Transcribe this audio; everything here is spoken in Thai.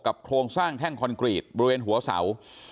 โครงสร้างแท่งคอนกรีตบริเวณหัวเสา